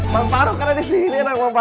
mam paruk ada disini